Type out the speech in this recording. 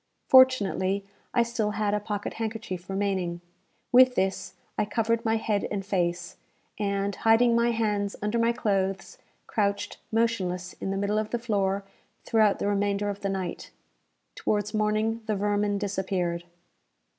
Fortunately, I still had a pocket handkerchief remaining. With this I covered my head and face, and, hiding my hands under my clothes, crouched motionless in the middle of the floor throughout the remainder of the night. Towards morning the vermin disappeared.